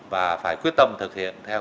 và phải quyết tâm thực hiện theo